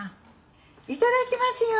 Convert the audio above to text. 「いただきますよー」